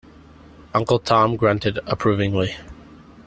Uncle Tom grunted approvingly.